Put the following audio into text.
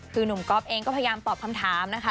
คือหนุ่มก๊อฟเองก็พยายามตอบคำถามนะคะ